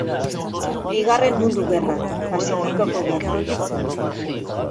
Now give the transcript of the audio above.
Bigarren Mundu Gerra, Pazifikoko Gerra.